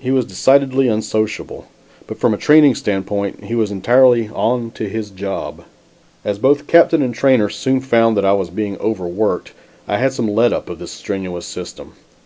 He was decidedly unsociable, but from a training standpoint, he was entirely "on to his job." As both captain and trainer soon found that I was being overworked, I had some "let up" of this strenuous system.